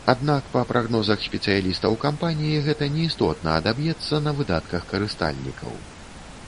Аднак па прагнозах спецыялістаў кампаніі, гэта неістотна адаб'ецца на выдатках карыстальнікаў.